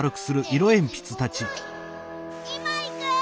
いまいく。